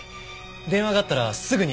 電話があったらすぐに。